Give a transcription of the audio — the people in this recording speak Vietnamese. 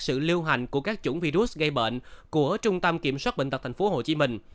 sự lưu hành của các chủng virus gây bệnh của trung tâm kiểm soát bệnh tật tp hcm